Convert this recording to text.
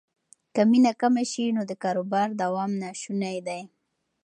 که مینه کمه شي نو د کاروبار دوام ناشونی دی.